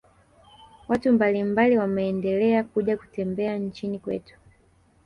watu mbalimbali wameendela kuja kutembea nchini kwetu